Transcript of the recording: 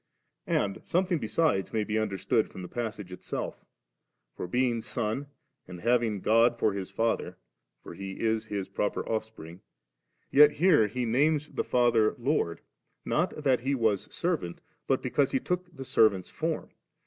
And something besides may be understood from the passage itself; for, being Son and having God for His Father, for He 18 His proper Offspring, yet here He names the Father Lord ; not that He was servant, but because He took the servant's form.